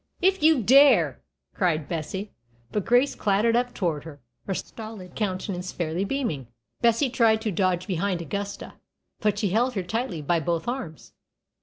"If you dare!" cried Bessie; but Grace clattered up toward her, her stolid countenance fairly beaming. Bessie tried to dodge behind Augusta, but she held her tightly by both arms.